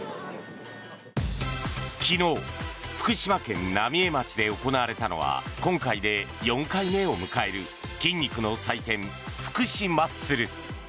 昨日福島県浪江町で行われたのは今回で４回目を迎える筋肉の祭典、福島ッスル。